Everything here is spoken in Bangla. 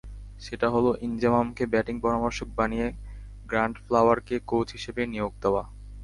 সেটা হলো ইনজামামকে ব্যাটিং পরামর্শক বানিয়ে গ্র্যান্ট ফ্লাওয়ারকে কোচ হিসেবে নিয়োগ দেওয়া।